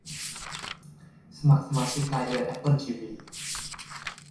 สมัครสมาชิกรายเดือนแอปเปิลทีวี